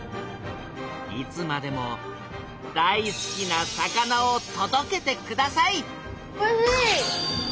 いつまでも大好きな魚をとどけてくださいおいＣ！